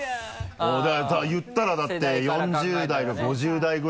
だから言ったらだって４０代か５０代ぐらいの。